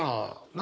何？